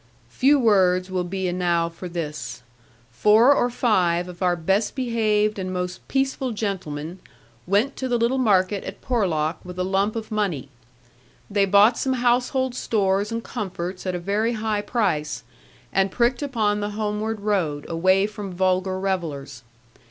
'Few words will be enow for this. Four or five of our best behaved and most peaceful gentlemen went to the little market at Porlock with a lump of money. They bought some household stores and comforts at a very high price, and pricked upon the homeward road, away from vulgar revellers.